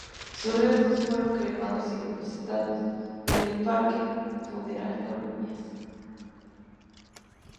Sus restos fueron cremados y depositados en el Parque Funeral Colonias.